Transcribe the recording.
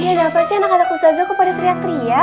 iya ada apa sih anak anak ustadz aku pada teriak teriak